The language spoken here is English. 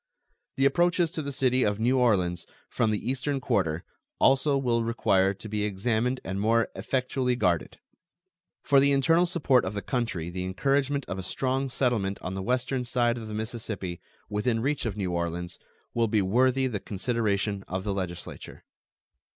The approaches to the city of New Orleans from the eastern quarter also will require to be examined and more effectually guarded. For the internal support of the country the encouragement of a strong settlement on the western side of the Mississippi, within reach of New Orleans, will be worthy the consideration of the Legislature.